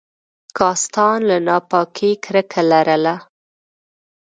کاستان له ناپاکۍ کرکه لرله.